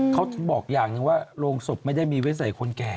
เขาที่บอกอย่างนี้นะว่าโรงสกไม่ได้มีไว้ใส่คนแก่